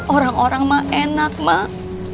orang orang mah enak mak